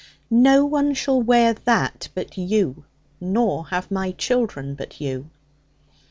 'No one shall wear that but you, nor have my children but you.'